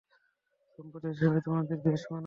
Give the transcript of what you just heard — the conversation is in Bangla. দম্পতি হিসাবে তোমাদের বেশ মানায়।